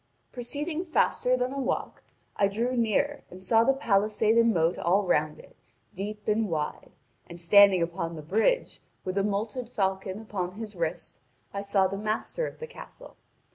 Proceeding faster than a walk, I drew near and saw the palisade and moat all round it, deep and wide, and standing upon the bridge, with a moulted falcon upon his wrist, I saw the master of the castle.